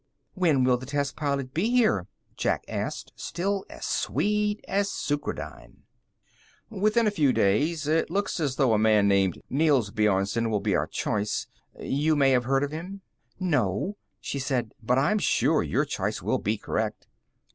"When will the test pilot be here?" Jack asked, still as sweet as sucrodyne. "Within a few days. It looks as though a man named Nels Bjornsen will be our choice. You may have heard of him." "No," she said, "but I'm sure your choice will be correct."